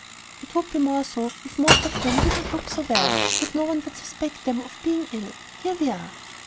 "It would be more so if most of them did not look so well that no one would suspect them of being ill. Here we are."